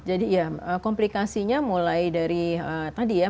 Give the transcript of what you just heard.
jadi ya komplikasinya mulai dari tadi ya